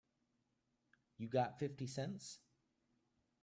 You got fifty cents?